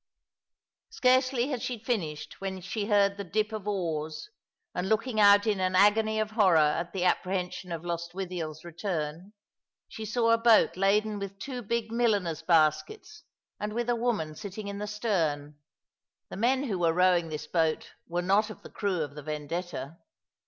Scarcely had she finished when she heard the dip of oars, and looking out in an agony of horror at the apprehension of Lostwithiel's return, she saw a boat laden with two big ^^ Love and Life and Death.^^ 315 milliner's baskets, and with a woman sitting in tlio stem. The men who woro rowing this boat were not of the crew of the Vendetta.